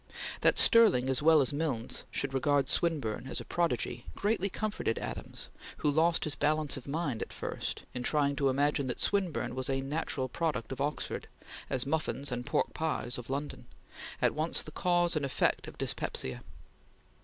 That Stirling as well as Milnes should regard Swinburne as a prodigy greatly comforted Adams, who lost his balance of mind at first in trying to imagine that Swinburne was a natural product of Oxford, as muffins and pork pies of London, at once the cause and effect of dyspepsia.